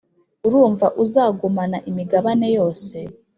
urumva uzagumana imigabane yose